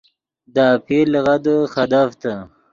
دے آپیر لغدے خدیڤتے